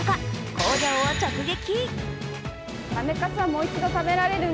工場を直撃！